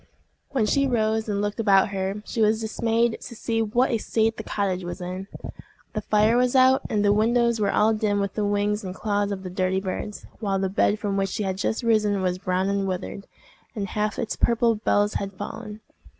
When she rose and looked about her, she was dismayed to see what a state the cottage was in. The fire was out, and the windows were all dim with the wings and claws of the dirty birds, while the bed from which she had just risen was brown and withered, and half its purple bells had fallen.